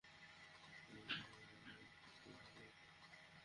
ঠিক তেমনি পয়লা বৈশাখের বেদনাদায়ক ঘটনাও সঠিক তদন্তে ব্যাপক প্রচেষ্টা চালানো আবশ্যক।